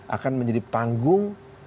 akan menjadi panggung